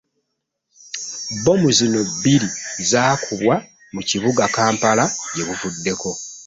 Bbomu zino ebbiri zaakubwa mu kibuga Kampala gye buvuddeko